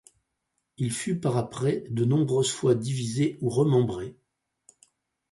Il fut par après de nombreuses fois divisé ou remembré.